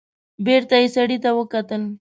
بېرته يې سړي ته وکتل.